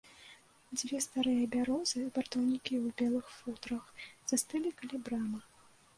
Дзве старыя бярозы, вартаўнікі ў белых футрах, застылі каля брамы.